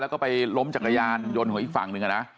แล้วก็ไปล้มจักรยานยนต์ของอีกฝั่งหนึ่งนะ